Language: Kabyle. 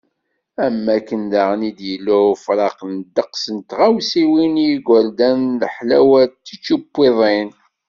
Am wakken daɣen i d-yella ufraq n ddeqs n tɣawsiwin i yigerdan, leḥlawat, tičupiḍin.